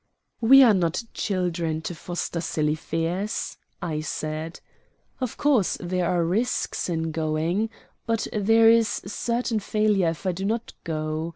"We are not children to foster silly fears," I said. "Of course there are risks in going, but there is certain failure if I do not go.